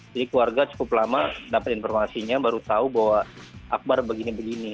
jadi keluarga cukup lama dapat informasinya baru tahu bahwa akbar begini begini